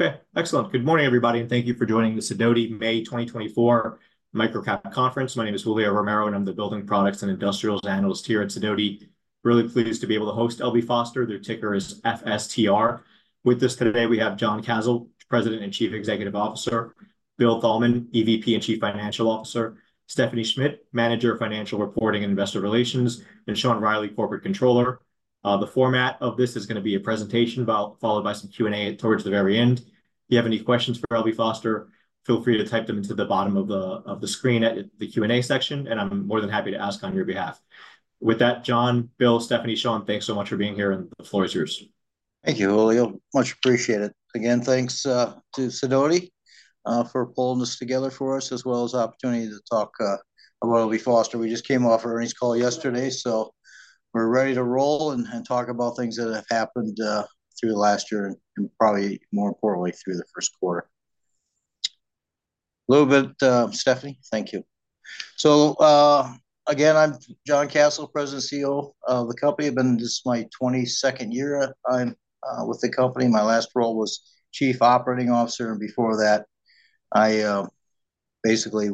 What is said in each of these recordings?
Okay, excellent. Good morning, everybody, and thank you for joining the Sidoti May 2024 Microcap Conference. My name is Julio Romero, and I'm the Building Products and Industrials Analyst here at Sidoti. Really pleased to be able to host L.B. Foster. Their ticker is FSTR. With us today, we have John Kasel, President and Chief Executive Officer; Bill Thalman, EVP and Chief Financial Officer; Stephanie Schmidt, Manager of Financial Reporting and Investor Relations; and Sean Riley, Corporate Controller. The format of this is going to be a presentation followed by some Q&A towards the very end. If you have any questions for L.B. Foster, feel free to type them into the bottom of the screen at the Q&A section, and I'm more than happy to ask on your behalf. With that, John, Bill, Stephanie, Sean, thanks so much for being here, and the floor is yours. Thank you, Julio. Much appreciated. Again, thanks to Sidoti for pulling this together for us, as well as the opportunity to talk about L.B. Foster. We just came off our earnings call yesterday, so we're ready to roll and talk about things that have happened through last year and probably, more importantly, through the first quarter. A little bit, Stephanie, thank you. So again, I'm John Kasel, President and CEO of the company. I've been with the company this my 22nd year. My last role was Chief Operating Officer, and before that, I basically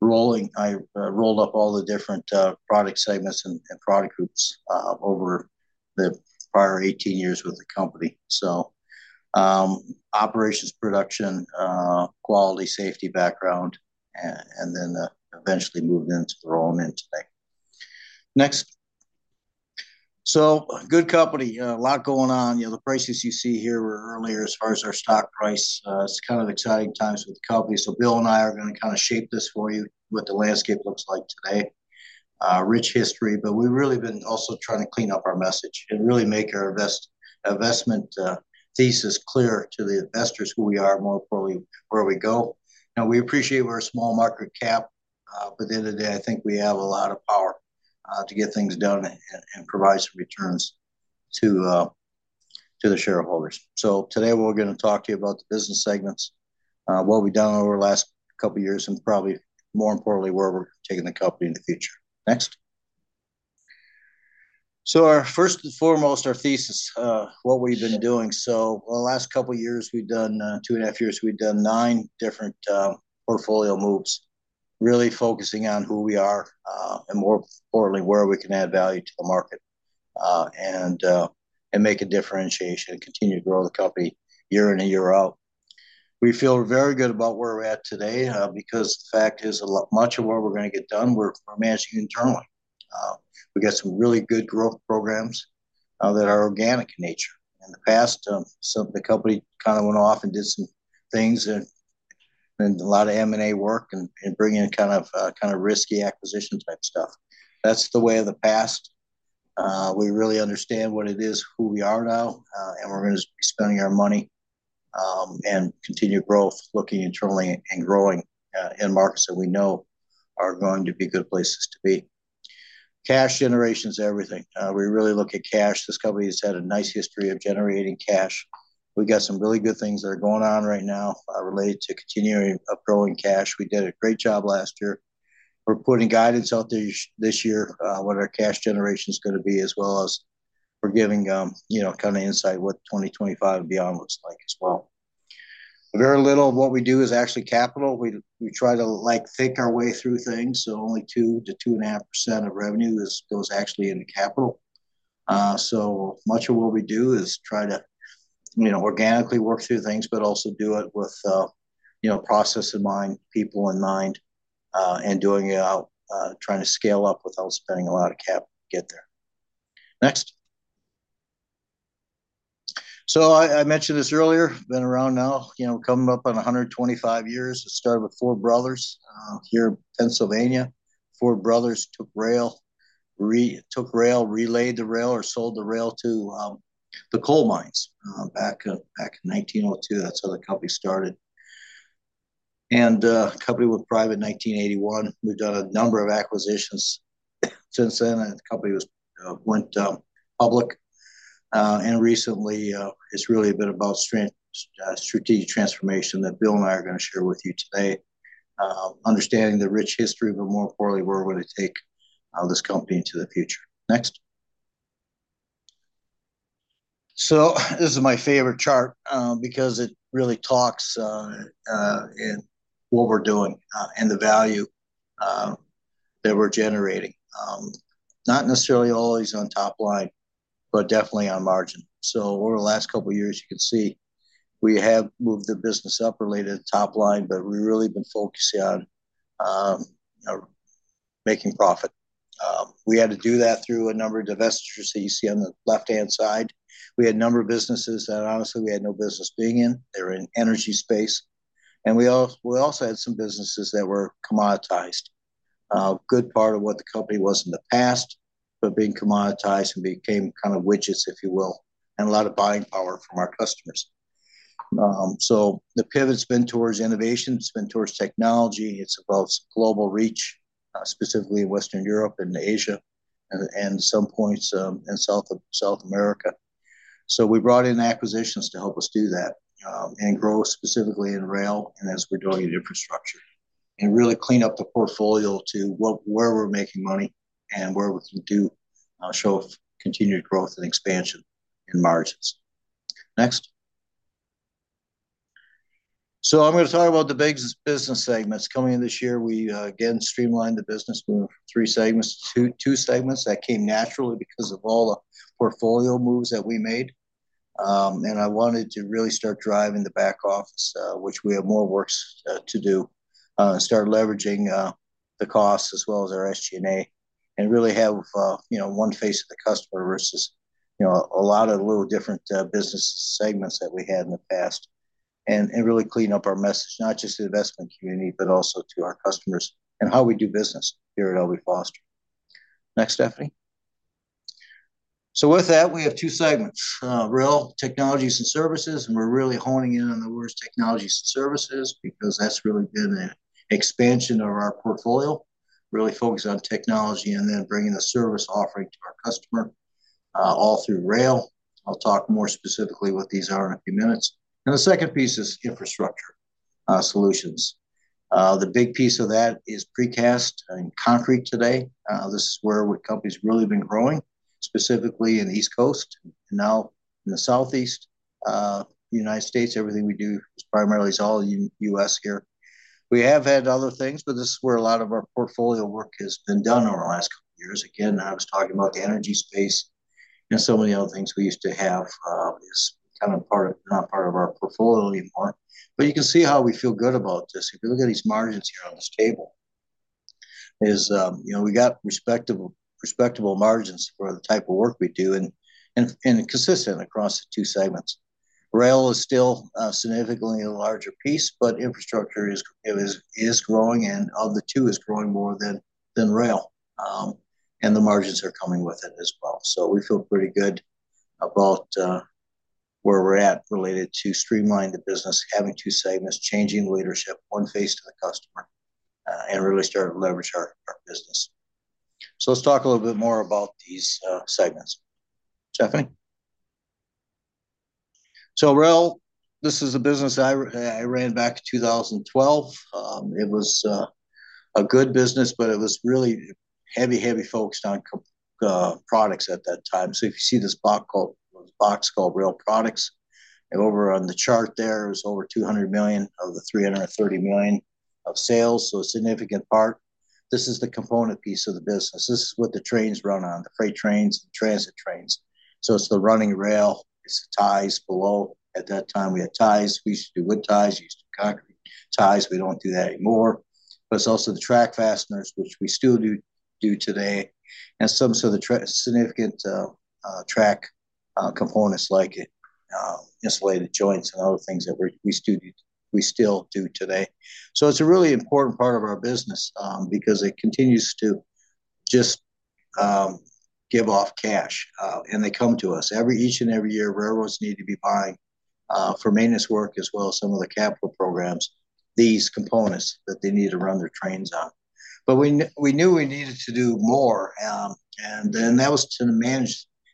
rolled up all the different product segments and product groups over the prior 18 years with the company, so operations, production, quality, safety background, and then eventually moved into the role I'm in today. Next. So good company, a lot going on. The prices you see here were earlier as far as our stock price. It's kind of exciting times with the company, so Bill and I are going to kind of shape this for you, what the landscape looks like today. Rich history, but we've really been also trying to clean up our message and really make our investment thesis clear to the investors, who we are, more importantly, where we go. Now, we appreciate we're a small market cap, but at the end of the day, I think we have a lot of power to get things done and provide some returns to the shareholders. So today, we're going to talk to you about the business segments, what we've done over the last couple of years, and probably, more importantly, where we're taking the company in the future. Next. So first and foremost, our thesis, what we've been doing. So in the last couple of years, we've done 2.5 years, we've done 9 different portfolio moves, really focusing on who we are and, more importantly, where we can add value to the market and make a differentiation and continue to grow the company year in and year out. We feel very good about where we're at today because the fact is, much of what we're going to get done, we're managing internally. We got some really good growth programs that are organic in nature. In the past, the company kind of went off and did some things and a lot of M&A work and bringing in kind of risky acquisition-type stuff. That's the way of the past. We really understand what it is, who we are now, and we're going to be spending our money and continue growth, looking internally and growing in markets that we know are going to be good places to be. Cash generation is everything. We really look at cash. This company has had a nice history of generating cash. We got some really good things that are going on right now related to continuing upgrowing cash. We did a great job last year. We're putting guidance out there this year what our cash generation is going to be, as well as we're giving kind of insight what 2025 and beyond looks like as well. Very little of what we do is actually capital. We try to think our way through things, so only 2%-2.5% of revenue goes actually into capital. So much of what we do is try to organically work through things, but also do it with process in mind, people in mind, and trying to scale up without spending a lot of cap to get there. Next. So I mentioned this earlier, been around now, coming up on 125 years. It started with Four Brothers here in Pennsylvania. Four Brothers took rail, relayed the rail, or sold the rail to the coal mines back in 1902. That's how the company started. Company went private in 1981. We've done a number of acquisitions since then, and the company went public. Recently, it's really been about strategic transformation that Bill and I are going to share with you today, understanding the rich history, but more importantly, where we're going to take this company into the future. Next. So this is my favorite chart because it really talks in what we're doing and the value that we're generating. Not necessarily always on top line, but definitely on margin. So over the last couple of years, you can see we have moved the business up related to top line, but we've really been focusing on making profit. We had to do that through a number of investors that you see on the left-hand side. We had a number of businesses that, honestly, we had no business being in. They were in the energy space. And we also had some businesses that were commoditized. A good part of what the company was in the past, but being commoditized and became kind of widgets, if you will, and a lot of buying power from our customers. So the pivot's been towards innovation. It's been towards technology. It's about global reach, specifically in Western Europe and Asia and some points in South America. So we brought in acquisitions to help us do that and grow specifically in rail and as we're doing in infrastructure and really clean up the portfolio to where we're making money and where we can show continued growth and expansion in margins. Next. So I'm going to talk about the big business segments. Coming in this year, we, again, streamlined the business, moving from three segments to two segments. That came naturally because of all the portfolio moves that we made. I wanted to really start driving the back office, which we have more work to do, start leveraging the costs as well as our SG&A and really have one face of the customer versus a lot of little different business segments that we had in the past and really clean up our message, not just to the investment community, but also to our customers and how we do business here at L.B. Foster. Next, Stephanie. With that, we have two segments, rail, technologies, and services. And we're really honing in on the words technologies and services because that's really been an expansion of our portfolio, really focused on technology and then bringing a service offering to our customer all through rail. I'll talk more specifically what these are in a few minutes. The second piece is infrastructure solutions. The big piece of that is precast and concrete today. This is where companies have really been growing, specifically in the East Coast and now in the Southeast United States. Everything we do primarily is all U.S. here. We have had other things, but this is where a lot of our portfolio work has been done over the last couple of years. Again, I was talking about the energy space and so many other things we used to have is kind of not part of our portfolio anymore. But you can see how we feel good about this. If you look at these margins here on this table, we got respectable margins for the type of work we do and consistent across the two segments. Rail is still significantly a larger piece, but infrastructure is growing, and of the two, it's growing more than rail. The margins are coming with it as well. So we feel pretty good about where we're at related to streamlining the business, having two segments, changing leadership, one face to the customer, and really starting to leverage our business. So let's talk a little bit more about these segments. Stephanie. So rail, this is a business I ran back in 2012. It was a good business, but it was really heavy, heavy focused on products at that time. So if you see this box called Rail Products, over on the chart there, it was over $200 million of the $330 million of sales, so a significant part. This is the component piece of the business. This is what the trains run on, the freight trains, the transit trains. So it's the running rail. It's the ties below. At that time, we had ties. We used to do wood ties. We used to do concrete ties. We don't do that anymore. But it's also the track fasteners, which we still do today, and some significant track components like it, insulated joints and other things that we still do today. So it's a really important part of our business because it continues to just give off cash. And they come to us. Each and every year, railroads need to be buying for maintenance work as well as some of the capital programs, these components that they need to run their trains on. But we knew we needed to do more, and then that was to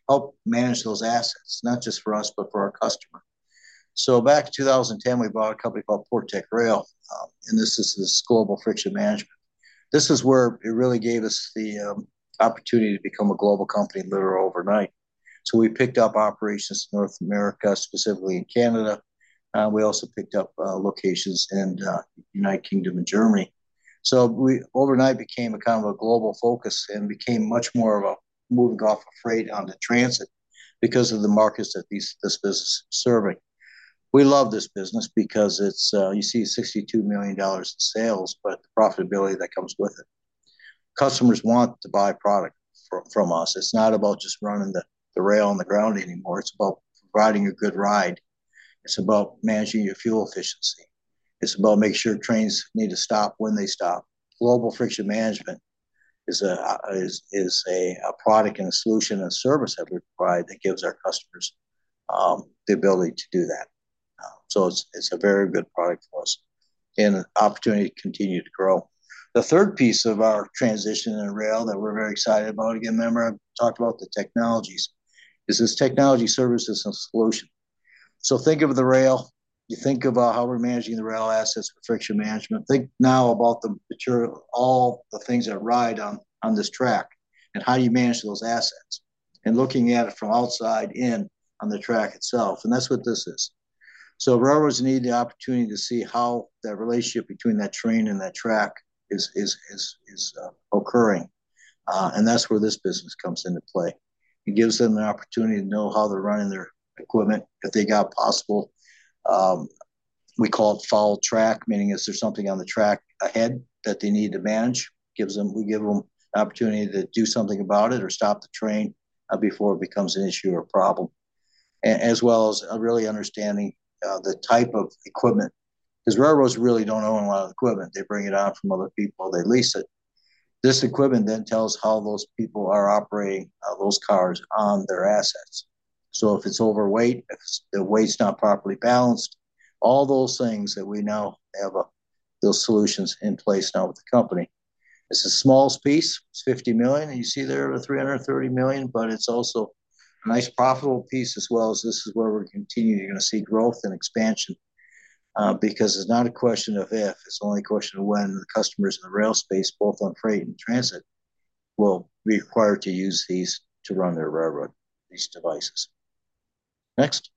help manage those assets, not just for us, but for our customer. So back in 2010, we bought a company called Portec Rail, and this is global friction management. This is where it really gave us the opportunity to become a global company literally overnight. So we picked up operations in North America, specifically in Canada. We also picked up locations in the United Kingdom and Germany. So overnight, it became kind of a global focus and became much more of a moving off of freight onto transit because of the markets that this business is serving. We love this business because you see $62 million in sales, but the profitability that comes with it. Customers want to buy product from us. It's not about just running the rail on the ground anymore. It's about providing a good ride. It's about managing your fuel efficiency. It's about making sure trains need to stop when they stop. Global Friction Management is a product and a solution and service that we provide that gives our customers the ability to do that. So it's a very good product for us and an opportunity to continue to grow. The third piece of our transition in rail that we're very excited about again, remember, I talked about the technologies, is this technology, services, and solution. So think of the rail. You think about how we're managing the rail assets for Friction Management. Think now about all the things that ride on this track and how you manage those assets and looking at it from outside in on the track itself. And that's what this is. So railroads need the opportunity to see how that relationship between that train and that track is occurring. And that's where this business comes into play. It gives them the opportunity to know how they're running their equipment if they got possible. We call it foul track, meaning if there's something on the track ahead that they need to manage, we give them an opportunity to do something about it or stop the train before it becomes an issue or a problem, as well as really understanding the type of equipment because railroads really don't own a lot of equipment. They bring it on from other people. They lease it. This equipment then tells how those people are operating those cars on their assets. So if it's overweight, if the weight's not properly balanced, all those things that we now have those solutions in place now with the company. It's a small piece. It's $50 million. You see there the $330 million, but it's also a nice profitable piece as well as this is where we're continuing to see growth and expansion because it's not a question of if. It's only a question of when the customers in the rail space, both on freight and transit, will be required to use these to run their railroad, these devices. Next.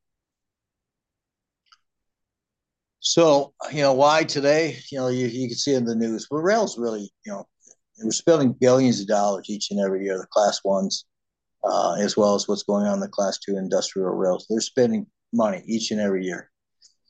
So why today? You can see in the news, but rail's really we're spending $ billions each and every year, the Class 1s, as well as what's going on in the Class 2 industrial rails. They're spending money each and every year.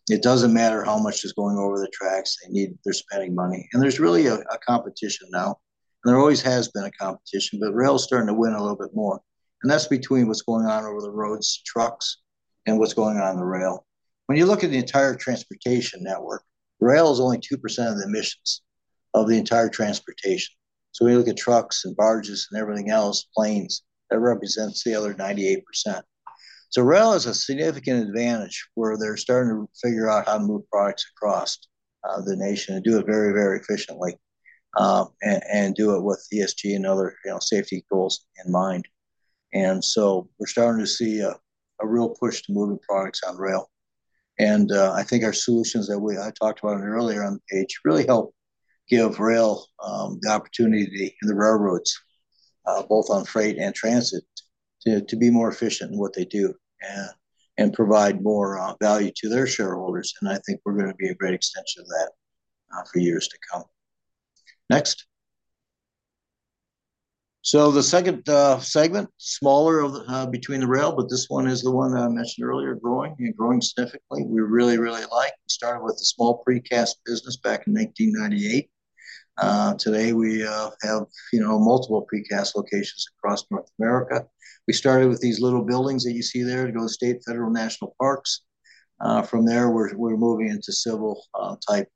It doesn't matter how much is going over the tracks. They're spending money. And there's really a competition now. And there always has been a competition, but rail's starting to win a little bit more. And that's between what's going on over the roads, trucks, and what's going on the rail. When you look at the entire transportation network, rail is only 2% of the emissions of the entire transportation. So when you look at trucks and barges and everything else, planes, that represents the other 98%. So rail has a significant advantage where they're starting to figure out how to move products across the nation and do it very, very efficiently and do it with ESG and other safety goals in mind. And so we're starting to see a real push to moving products on rail. And I think our solutions that I talked about earlier on the page really help give rail the opportunity in the railroads, both on freight and transit, to be more efficient in what they do and provide more value to their shareholders. And I think we're going to be a great extension of that for years to come. Next. So the second segment, smaller between the rail, but this one is the one that I mentioned earlier, growing and growing significantly. We really, really like. We started with a small precast business back in 1998. Today, we have multiple precast locations across North America. We started with these little buildings that you see there to go to state, federal, national parks. From there, we're moving into civil-type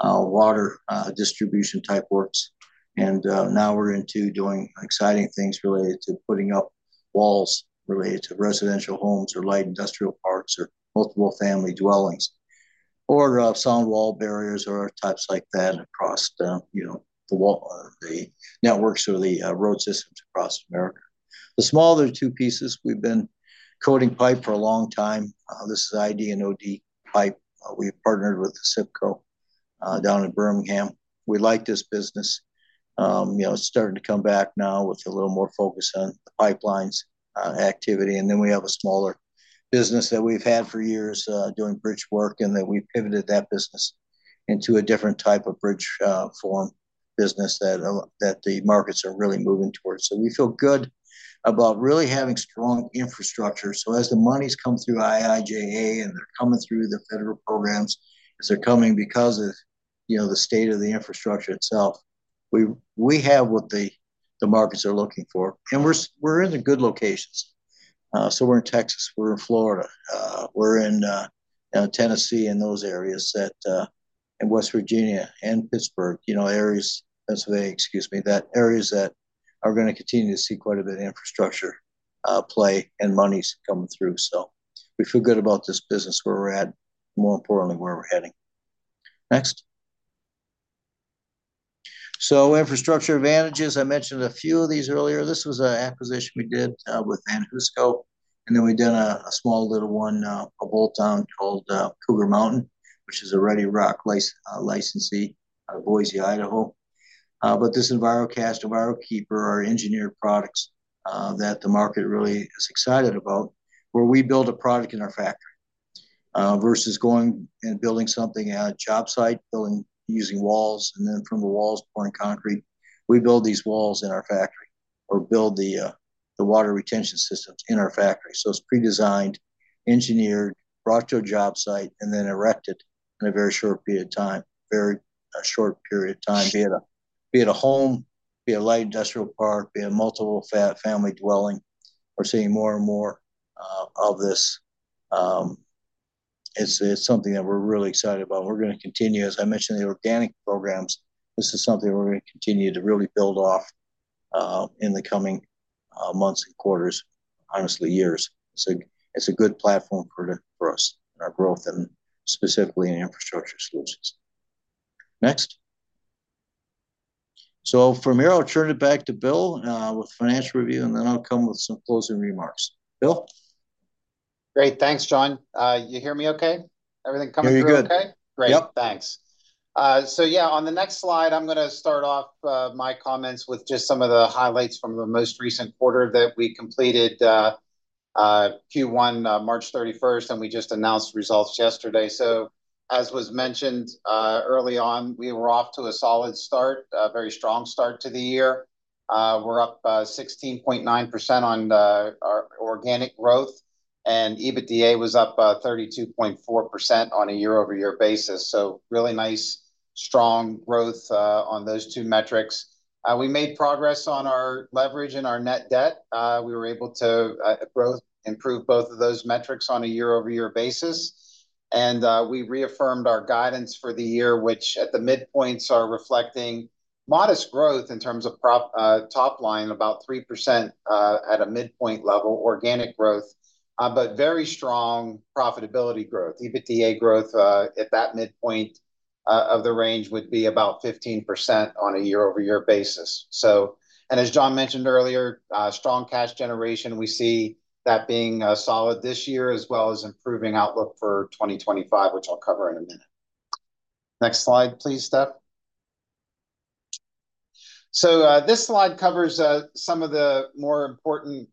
water distribution-type works. And now we're into doing exciting things related to putting up walls related to residential homes or light industrial parks or multiple family dwellings or sound wall barriers or types like that across the networks or the road systems across America. The smaller two pieces, we've been coating pipe for a long time. This is ID and OD pipe. We've partnered with ACIPCO down in Birmingham. We like this business. It's starting to come back now with a little more focus on the pipelines activity. And then we have a smaller business that we've had for years doing bridge work and that we pivoted that business into a different type of bridge form business that the markets are really moving towards. So we feel good about really having strong infrastructure. So as the monies come through IIJA and they're coming through the federal programs, as they're coming because of the state of the infrastructure itself, we have what the markets are looking for. And we're in the good locations. So we're in Texas. We're in Florida. We're in Tennessee and those areas and West Virginia and Pittsburgh, areas Pennsylvania, excuse me, that areas that are going to continue to see quite a bit of infrastructure play and monies coming through. So we feel good about this business where we're at and more importantly, where we're heading. Next. So infrastructure advantages, I mentioned a few of these earlier. This was an acquisition we did with VanHooseCo. And then we've done a small little one, a bolt-on called Cougar Mountain, which is a Redi-Rock licensee out of Boise, Idaho. But this EnviroCast, EnviroKeeper, are engineered products that the market really is excited about where we build a product in our factory versus going and building something at a job site, using walls, and then from the walls, pouring concrete. We build these walls in our factory or build the water retention systems in our factory. So it's pre-designed, engineered, brought to a job site, and then erected in a very short period of time, very short period of time, be it a home, be it a light industrial park, be it multiple family dwelling. We're seeing more and more of this. It's something that we're really excited about. We're going to continue, as I mentioned, the organic programs. This is something we're going to continue to really build off in the coming months and quarters, honestly, years. It's a good platform for us and our growth, and specifically in infrastructure solutions. Next. So from here, I'll turn it back to Bill with financial review, and then I'll come with some closing remarks. Bill. Great. Thanks, John. You hear me okay? Everything coming through okay? You're good. Great. Thanks. So yeah, on the next slide, I'm going to start off my comments with just some of the highlights from the most recent quarter that we completed Q1, March 31st, and we just announced results yesterday. So as was mentioned early on, we were off to a solid start, a very strong start to the year. We're up 16.9% on our organic growth, and EBITDA was up 32.4% on a year-over-year basis. So really nice, strong growth on those two metrics. We made progress on our leverage and our net debt. We were able to improve both of those metrics on a year-over-year basis. And we reaffirmed our guidance for the year, which at the midpoints are reflecting modest growth in terms of top line, about 3% at a midpoint level, organic growth, but very strong profitability growth. EBITDA growth at that midpoint of the range would be about 15% on a year-over-year basis. And as John mentioned earlier, strong cash generation. We see that being solid this year as well as improving outlook for 2025, which I'll cover in a minute. Next slide, please, Steph. So this slide covers some of the more important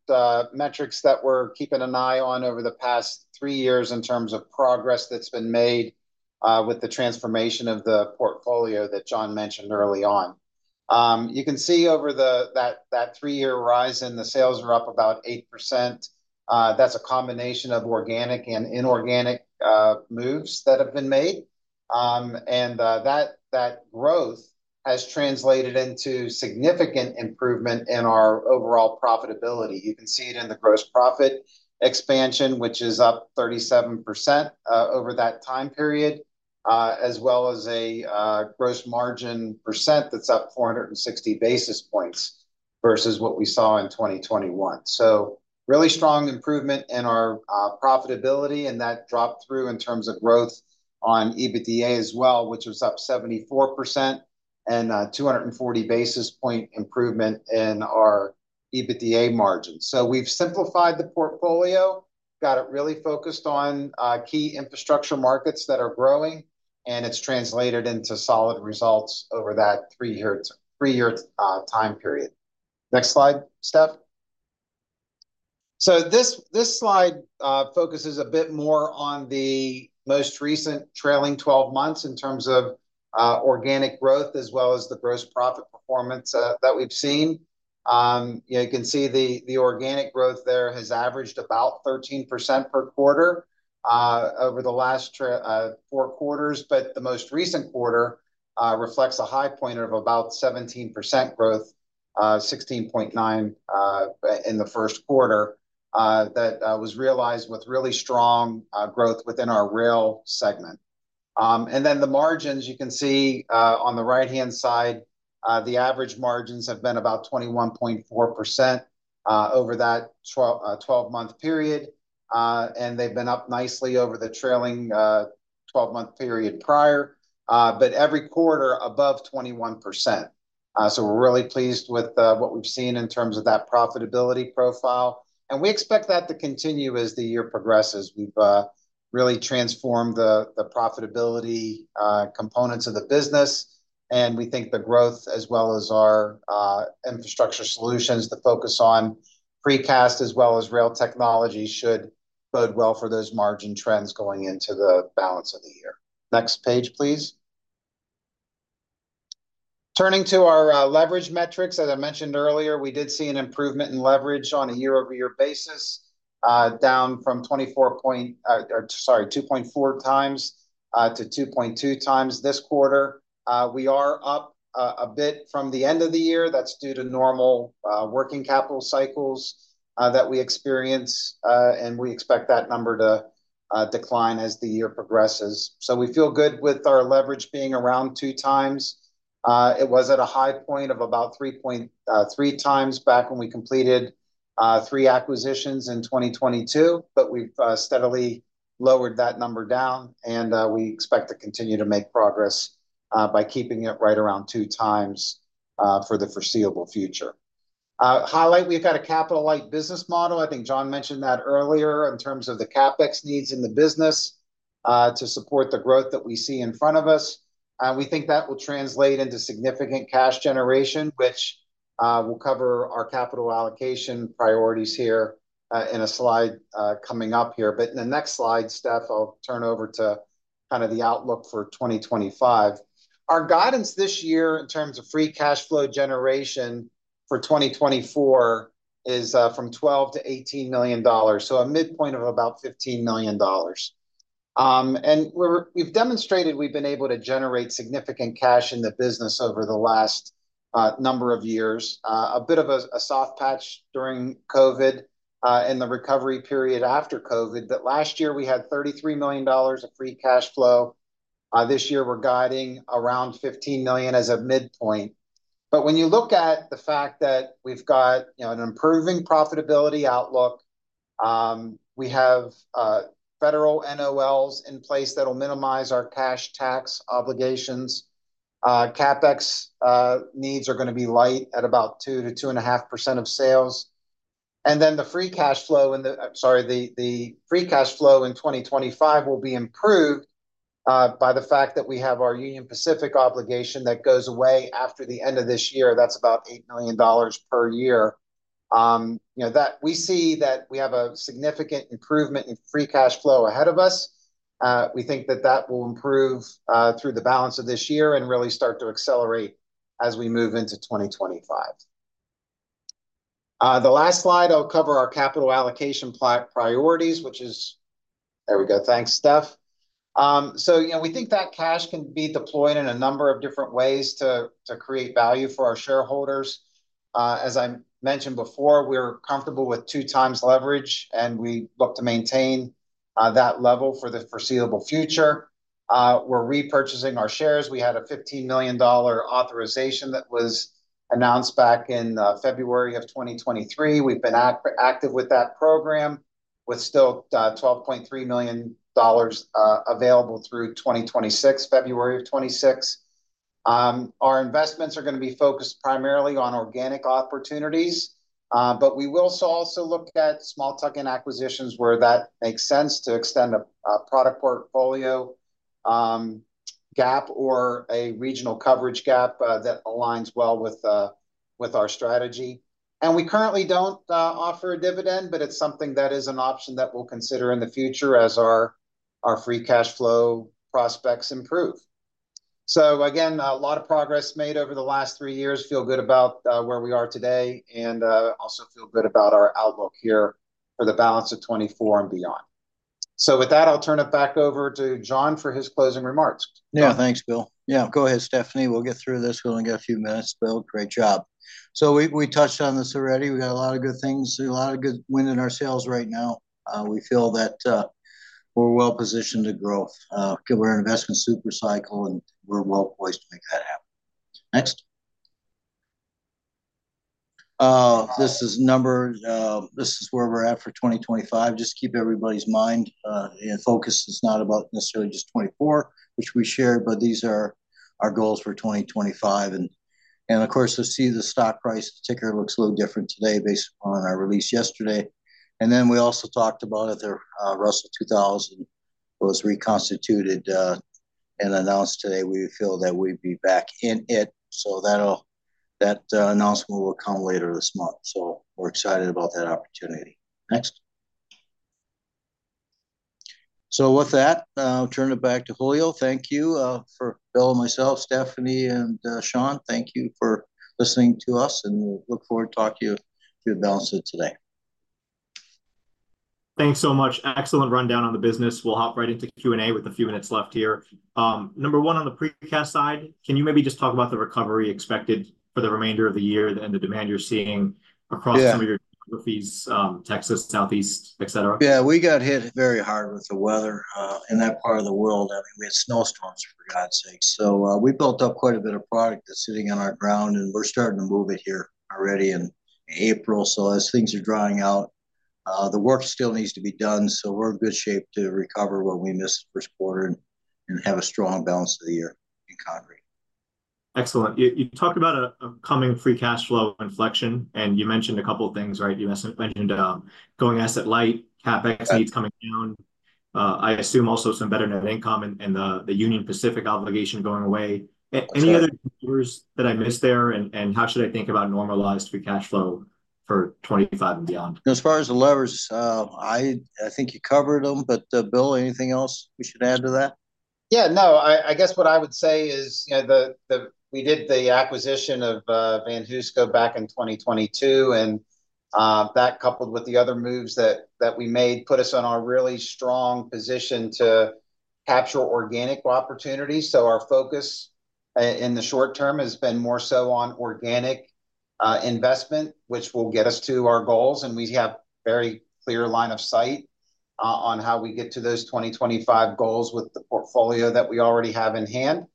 metrics that we're keeping an eye on over the past three years in terms of progress that's been made with the transformation of the portfolio that John mentioned early on. You can see over that three-year rise, the sales are up about 8%. That's a combination of organic and inorganic moves that have been made. And that growth has translated into significant improvement in our overall profitability. You can see it in the gross profit expansion, which is up 37% over that time period, as well as a gross margin percent that's up 460 basis points versus what we saw in 2021. So really strong improvement in our profitability, and that dropped through in terms of growth on EBITDA as well, which was up 74% and 240 basis point improvement in our EBITDA margin. So we've simplified the portfolio, got it really focused on key infrastructure markets that are growing, and it's translated into solid results over that three-year time period. Next slide, Steph. So this slide focuses a bit more on the most recent trailing 12 months in terms of organic growth as well as the gross profit performance that we've seen. You can see the organic growth there has averaged about 13% per quarter over the last 4 quarters, but the most recent quarter reflects a high point of about 17% growth, 16.9% in the first quarter that was realized with really strong growth within our rail segment. And then the margins, you can see on the right-hand side, the average margins have been about 21.4% over that 12-month period. And they've been up nicely over the trailing 12-month period prior, but every quarter above 21%. So we're really pleased with what we've seen in terms of that profitability profile. And we expect that to continue as the year progresses. We've really transformed the profitability components of the business. We think the growth as well as our infrastructure solutions, the focus on precast as well as rail technology should bode well for those margin trends going into the balance of the year. Next page, please. Turning to our leverage metrics, as I mentioned earlier, we did see an improvement in leverage on a year-over-year basis, down from 2.4 times to 2.2 times this quarter. We are up a bit from the end of the year. That's due to normal working capital cycles that we experience. And we expect that number to decline as the year progresses. So we feel good with our leverage being around two times. It was at a high point of about 3.3 times back when we completed three acquisitions in 2022, but we've steadily lowered that number down. We expect to continue to make progress by keeping it right around two times for the foreseeable future. Highlight, we've got a capital-light business model. I think John mentioned that earlier in terms of the CapEx needs in the business to support the growth that we see in front of us. We think that will translate into significant cash generation, which will cover our capital allocation priorities here in a slide coming up here. But in the next slide, Steph, I'll turn over to kind of the outlook for 2025. Our guidance this year in terms of free cash flow generation for 2024 is from $12 million-$18 million, so a midpoint of about $15 million. We've demonstrated we've been able to generate significant cash in the business over the last number of years, a bit of a soft patch during COVID and the recovery period after COVID. But last year, we had $33 million of free cash flow. This year, we're guiding around $15 million as a midpoint. But when you look at the fact that we've got an improving profitability outlook, we have federal NOLs in place that will minimize our cash tax obligations. CapEx needs are going to be light at about 2%-2.5% of sales. And then the free cash flow in 2025 will be improved by the fact that we have our Union Pacific obligation that goes away after the end of this year. That's about $8 million per year. We see that we have a significant improvement in free cash flow ahead of us. We think that that will improve through the balance of this year and really start to accelerate as we move into 2025. The last slide, I'll cover our capital allocation priorities, which is there we go. Thanks, Steph. So we think that cash can be deployed in a number of different ways to create value for our shareholders. As I mentioned before, we're comfortable with 2x leverage, and we look to maintain that level for the foreseeable future. We're repurchasing our shares. We had a $15 million authorization that was announced back in February of 2023. We've been active with that program with still $12.3 million available through February of 2026. Our investments are going to be focused primarily on organic opportunities. But we will also look at small tuck-in acquisitions where that makes sense to extend a product portfolio gap or a regional coverage gap that aligns well with our strategy. And we currently don't offer a dividend, but it's something that is an option that we'll consider in the future as our Free Cash Flow prospects improve. So again, a lot of progress made over the last three years. Feel good about where we are today and also feel good about our outlook here for the balance of 2024 and beyond. So with that, I'll turn it back over to John for his closing remarks. Yeah. Thanks, Bill. Yeah. Go ahead, Stephanie. We'll get through this. We only got a few minutes, Bill. Great job. So we touched on this already. We got a lot of good things, a lot of good wind in our sails right now. We feel that we're well positioned to growth. We're an investment super cycle, and we're well poised to make that happen. Next. This is where we're at for 2025. Just keep everybody's mind and focus is not about necessarily just 2024, which we shared, but these are our goals for 2025. Of course, you'll see the stock price ticker looks a little different today based upon our release yesterday. Then we also talked about it. The Russell 2000 was reconstituted and announced today. We feel that we'd be back in it. So that announcement will come later this month. So we're excited about that opportunity. Next. So with that, I'll turn it back to Julio. Thank you for Bill and myself, Stephanie and Sean. Thank you for listening to us, and we look forward to talking to you to balance it today. Thanks so much. Excellent rundown on the business. We'll hop right into Q&A with a few minutes left here. Number one, on the precast side, can you maybe just talk about the recovery expected for the remainder of the year and the demand you're seeing across some of your geographies, Texas, Southeast, etc.? Yeah. We got hit very hard with the weather in that part of the world. I mean, we had snowstorms, for God's sake. So we built up quite a bit of product that's sitting on our ground, and we're starting to move it here already in April. So as things are drying out, the work still needs to be done. So we're in good shape to recover what we missed the first quarter and have a strong balance of the year in concrete. Excellent. You talked about a coming free cash flow inflection, and you mentioned a couple of things, right? You mentioned going asset light, CapEx needs coming down, I assume also some better net income and the Union Pacific obligation going away. Any other numbers that I missed there, and how should I think about normalized free cash flow for 2025 and beyond? As far as the levers, I think you covered them. But Bill, anything else we should add to that? Yeah. No. I guess what I would say is we did the acquisition of VanHooseCo back in 2022, and that coupled with the other moves that we made put us in a really strong position to capture organic opportunities. So our focus in the short term has been more so on organic investment, which will get us to our goals. And we have a very clear line of sight on how we get to those 2025 goals with the portfolio that we already have in hand.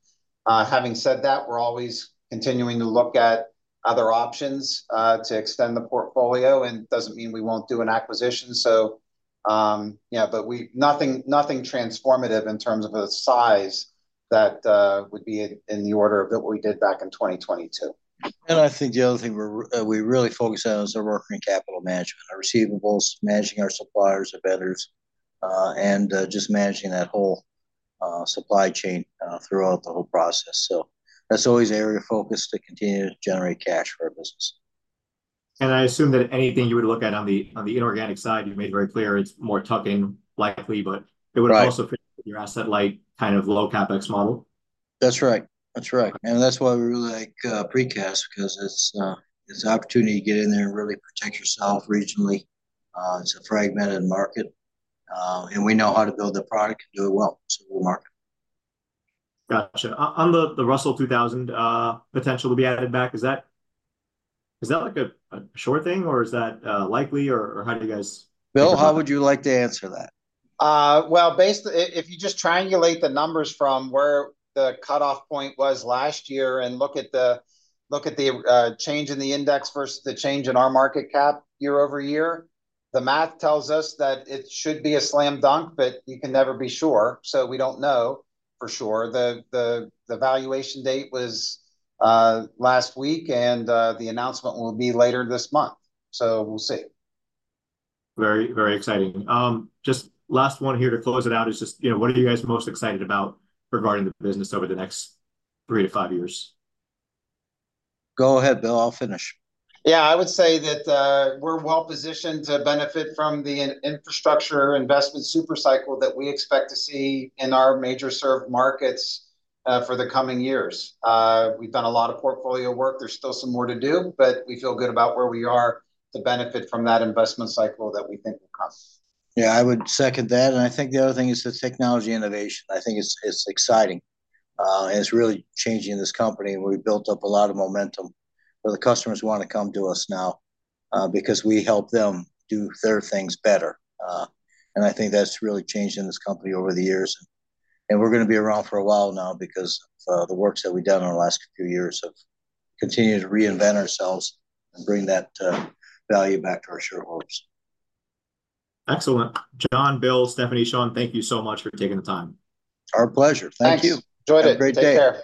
Having said that, we're always continuing to look at other options to extend the portfolio. And it doesn't mean we won't do an acquisition, so. Yeah. But nothing transformative in terms of the size that would be in the order of what we did back in 2022. I think the other thing we really focus on is our working capital management, our receivables, managing our suppliers, our vendors, and just managing that whole supply chain throughout the whole process. That's always an area of focus to continue to generate cash for our business. I assume that anything you would look at on the inorganic side, you made it very clear it's more tuck-in likely, but it would also fit with your asset light kind of low CapEx model. That's right. That's right. And that's why we really like precast because it's an opportunity to get in there and really protect yourself regionally. It's a fragmented market. And we know how to build the product and do it well. So we'll market it. Gotcha. On the Russell 2000 potential to be added back, is that a sure thing, or is that likely, or how do you guys? Bill, how would you like to answer that? Well, if you just triangulate the numbers from where the cutoff point was last year and look at the change in the index versus the change in our market cap year-over-year, the math tells us that it should be a slam dunk, but you can never be sure. So we don't know for sure. The valuation date was last week, and the announcement will be later this month. So we'll see. Very, very exciting. Just last one here to close it out is just what are you guys most excited about regarding the business over the next 3-5 years? Go ahead, Bill. I'll finish. Yeah. I would say that we're well positioned to benefit from the infrastructure investment super cycle that we expect to see in our major served markets for the coming years. We've done a lot of portfolio work. There's still some more to do, but we feel good about where we are to benefit from that investment cycle that we think will come. Yeah. I would second that. And I think the other thing is the technology innovation. I think it's exciting. And it's really changing this company. We built up a lot of momentum. But the customers want to come to us now because we help them do their things better. And I think that's really changed in this company over the years. And we're going to be around for a while now because of the works that we've done in the last few years of continuing to reinvent ourselves and bring that value back to our shareholders. Excellent. John, Bill, Stephanie, Sean, thank you so much for taking the time. Our pleasure. Thank you. Thanks. Enjoyed it. Have a great day. Take care.